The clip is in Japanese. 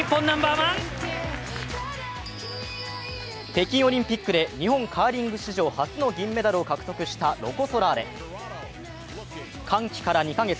北京オリンピックで日本カーリング史上初の銀メダルを獲得したロコ・ソラーレ歓喜から２カ月。